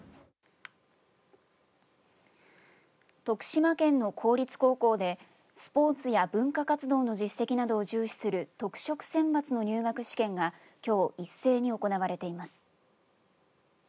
徳島県の公立高校でスポーツや文化活動の実績などを重視する特色選抜の入学試験がきょう一斉に行われています。